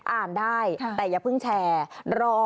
อ่านได้แต่อย่าเพิ่งแชร์